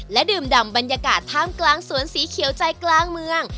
ดื่มดำบรรยากาศท่ามกลางสวนสีเขียวใจกลางเมือง